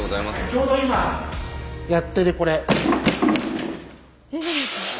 ちょうど今やってるこれ。